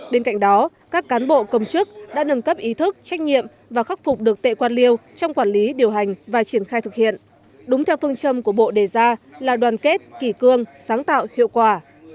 bên cạnh đó các cán bộ công chức đã nâng cấp ý thức trách nhiệm và khắc phục được tệ quan liêu trong quản lý điều hành và triển khai thực hiện đúng theo phương châm của bộ đề ra là đoàn kết kỷ cương sáng tạo hiệu quả